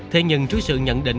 thế nhưng trước sự nhận định